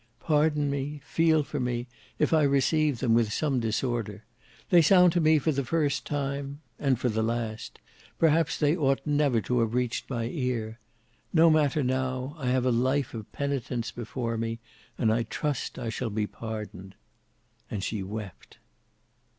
Pardon me, feel for me, if I receive them with some disorder. They sound to me for the first time—and for the last. Perhaps they ought never to have reached my ear. No matter now—I have a life of penitence before me, and I trust I shall be pardoned." And she wept.